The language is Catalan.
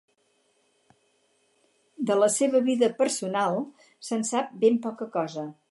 De la seva vida personal, se'n sap ben poca cosa.